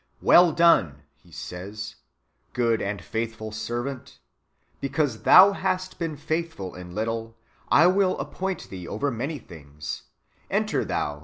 " Well done," He says, " good and faithful servant : because thou hast been faithful in little, I will appoint thee over many things ; enter thou into 1 Gen. i.